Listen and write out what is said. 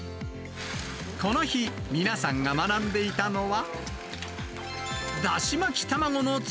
この日、皆さんが学んでいたのは。